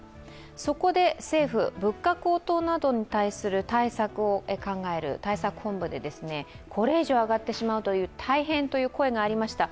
そこで政府、物価高騰などに対する対策を考える対策本部で、これ以上、上がってしまうと大変という声がありました。